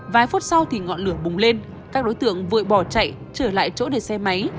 vài phút sau thì ngọn lửa bùng lên các đối tượng vội bỏ chạy trở lại chỗ để xe máy